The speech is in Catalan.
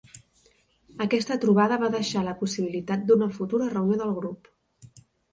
Aquesta trobada va deixar la possibilitat d'una futura reunió del grup.